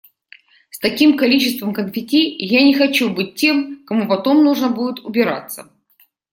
С таким количеством конфетти я не хочу быть тем, кому потом нужно будет убираться.